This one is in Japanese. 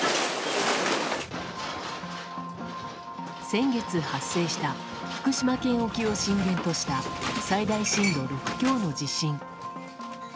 先月発生した福島県沖を震源とした最大震度６強の地震。